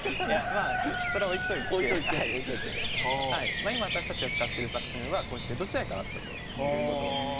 まあ今私たちが使ってる作戦はこうして江戸時代からあったということ。